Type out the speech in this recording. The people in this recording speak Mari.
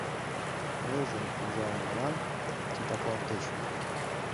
Элжым ужалымылан титаклалтеш.